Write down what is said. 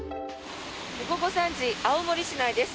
午後３時青森市内です。